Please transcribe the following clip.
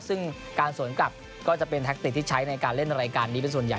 ซึ่งการสวนกลับก็จะเป็นแท็กติกที่ใช้ในการเล่นรายการนี้เป็นส่วนใหญ่